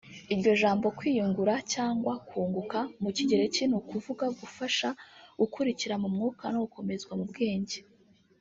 Iryo jambo “kwiyungura” cyangwa “kunguka” mu kigereki ni ukuvuga gufasha gukurira mu Mwuka no gukomezwa mu bwenge